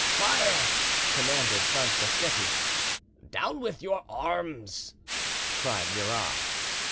"Fire!" commanded Franceschetti. "Down with your arms!" cried Murat.